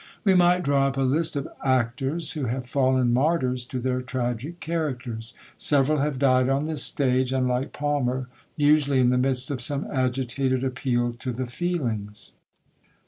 We might draw up a list of ACTORS, who have fallen martyrs to their tragic characters. Several have died on the stage, and, like Palmer, usually in the midst of some agitated appeal to the feelings.